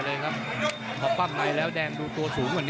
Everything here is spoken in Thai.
ต้องออกครับอาวุธต้องขยันด้วย